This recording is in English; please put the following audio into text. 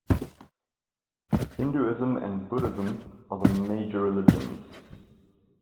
Hinduism and Buddhism are the major religions.